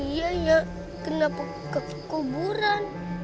iya ya kenapa kekuburan